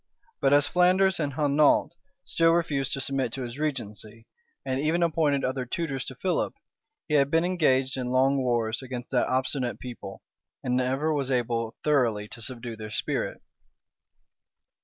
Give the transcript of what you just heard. But as Flanders and Hainault still refused to submit to his regency, and even appointed other tutors to Philip, he had been engaged in long wars against that obstinate people, and never was able thoroughly to subdue their spirit.